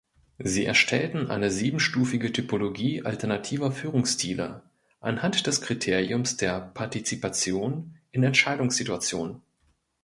Sie erstellten eine siebenstufige Typologie alternativer Führungsstile anhand des Kriteriums der Partizipation in Entscheidungssituationen.